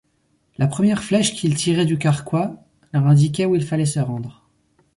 La première flèche qu'ils tiraient du carquois leur indiquait où il fallait se rendre.